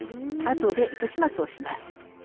あとで糸始末をします。